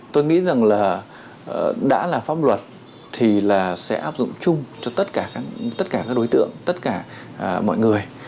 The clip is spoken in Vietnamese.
tôi nghĩ rằng là đã là pháp luật thì là sẽ áp dụng chung cho tất cả tất cả các đối tượng tất cả mọi người